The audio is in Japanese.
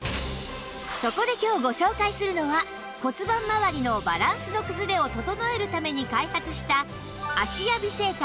そこで今日ご紹介するのは骨盤まわりのバランスの崩れを整えるために開発した